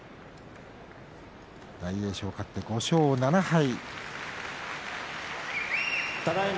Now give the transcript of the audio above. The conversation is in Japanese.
大栄翔、勝って５勝７敗。